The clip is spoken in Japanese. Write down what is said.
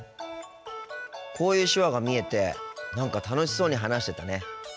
こういう手話が見えて何か楽しそうに話してたね。